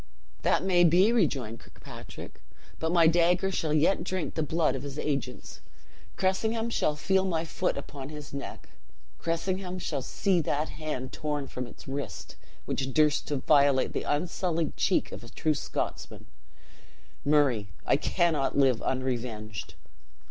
"That may be," rejoined Kirkpatrick; "but my dagger shall yet drink the blood of his agents. Cressingham shall feel my foot upon his neck! Cressingham shall see that hand torn from its wrist, which durst to violate the unsullied cheek of a true Scotsman. Murray, I cannot live unrevenged."